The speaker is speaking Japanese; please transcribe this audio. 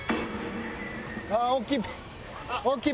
ああ大きい。